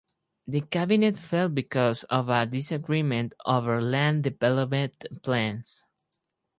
The cabinet fell because of a disagreement over land development plans.